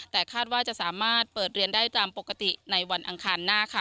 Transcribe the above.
แต่คาดว่าจะสามารถเปิดเรียนได้ตามปกติในวันอังคารหน้าค่ะ